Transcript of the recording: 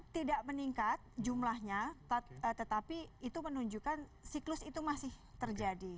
tidak meningkat jumlahnya tetapi itu menunjukkan siklus itu masih terjadi